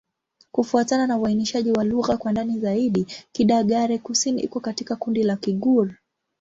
Kufuatana na uainishaji wa lugha kwa ndani zaidi, Kidagaare-Kusini iko katika kundi la Kigur.